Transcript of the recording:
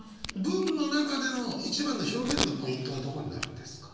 文の中での一番の表現のポイントはどこになるんですか？